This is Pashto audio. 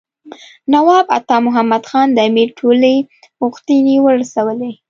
نواب عطا محمد خان د امیر ټولې غوښتنې ورسولې.